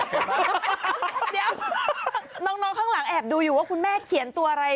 เดี๋ยวน้องข้างหลังแอบดูอยู่ว่าคุณแม่เขียนตัวอะไร